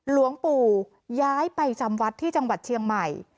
หลวงปู่ย้ายไปจำวัดที่จังหวัดเชียงใหม่